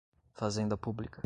Fazenda Pública